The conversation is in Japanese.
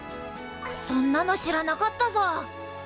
そんなの知らなかったぞ！